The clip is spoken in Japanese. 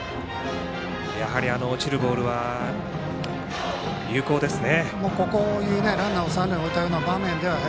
やはりあの落ちるボールは有効ですね。